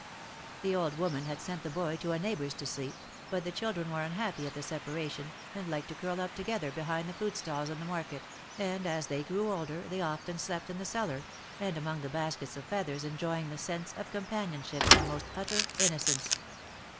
The old woman had sent the boy to a neighbor's to sleep, but the children were unhappy at the separation, and liked to curl up together behind the fruit stalls in the market, and as they grew older they often slept in the cellar, and among the baskets of feathers enjoying the sense of companionship in the most utter innocence.